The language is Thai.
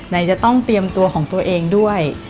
ไหนจะต้องเตรียมตัวของตัวเองด้วย